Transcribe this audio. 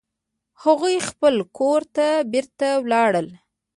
هغوی خپل کور ته بیرته ولاړل